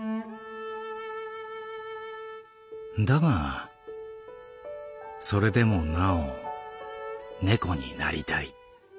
「だがそれでもなお猫になりたい。